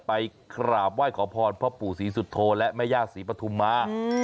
ไปกราบไหว้ขอพรเพราะปู่ศรีสุทธโทและแม่ญาติศรีปฐุมมา